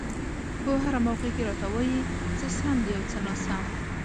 په هره موقع کې راته وايي څه سم دي او څه ناسم.